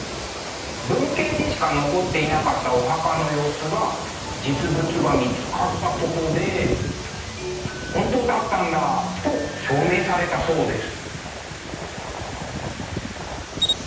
文献にしか残っていなかったお墓の様子が実物が見つかったことで「本当だったんだ！」と証明されたそうです。